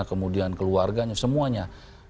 kemudian keluarganya semuanya